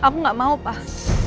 aku gak mau pak